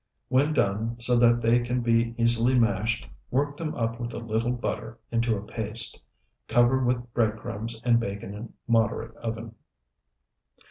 When done so that they can be easily mashed, work them up with a little butter into a paste. Cover with bread crumbs and bake in a moderate oven.